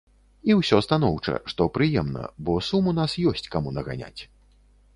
І ўсё станоўча, што прыемна, бо сум ў нас ёсць каму наганяць.